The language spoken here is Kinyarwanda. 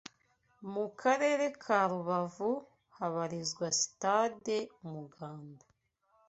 Mu karere ka Rubavu, habarizwa Sitade Umuganda